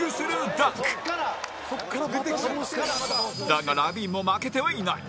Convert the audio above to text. だがラビーンも負けてはいない